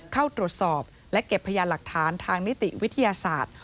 เข้าตรวจสอบและเก็บพยานหลักฐานทางนิติวิทยาศาสตร์